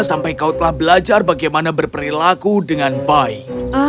sampai kau telah belajar bagaimana berperilaku dengan baik